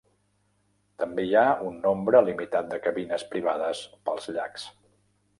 També hi ha un nombre limitat de cabines privades pels llacs.